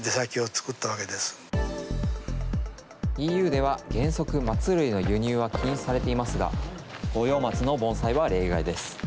ＥＵでは原則、マツ類の輸入は禁止されていますが、五葉松の盆栽は例外です。